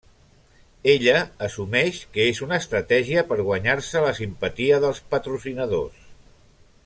Ella assumeix que és una estratègia per guanyar-se la simpatia dels patrocinadors.